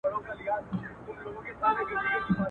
څراغ چي په کور کي لگېږي، بېبان ته حاجت نسته.